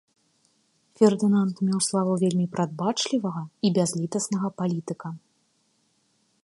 Фердынанд меў славу вельмі прадбачлівага і бязлітаснага палітыка.